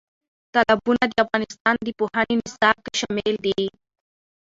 تالابونه د افغانستان د پوهنې نصاب کې شامل دي.